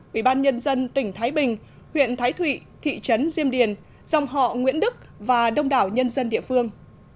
ubnd tỉnh thái bình huyện thái thụy thị trấn diêm điền dòng họ nguyễn đức và đông đảo nhân dân địa phương